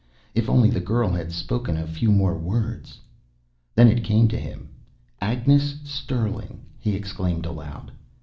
If only the girl had spoken a few more words! Then it came to him. "Agnes Sterling!" he exclaimed aloud.